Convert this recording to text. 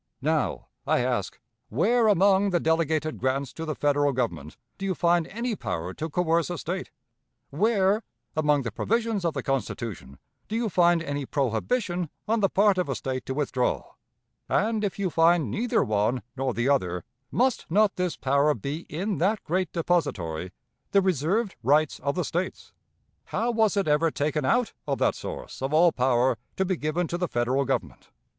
Now, I ask, where among the delegated grants to the Federal Government do you find any power to coerce a State; where among the provisions of the Constitution do you find any prohibition on the part of a State to withdraw; and, if you find neither one nor the other, must not this power be in that great depository, the reserved rights of the States? How was it ever taken out of that source of all power to be given to the Federal Government?